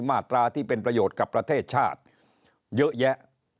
มาตราที่เป็นประโยชน์กับประเทศชาติเยอะแยะ